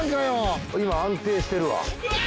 今安定してるわうわっ！